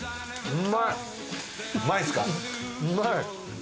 うまい！